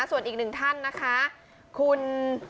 ส่วนอีกหนึ่งท่านนะคะคุณ